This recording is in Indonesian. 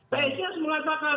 psi harus meletakkan